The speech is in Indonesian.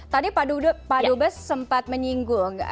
tadi pak dubes sempat menyinggung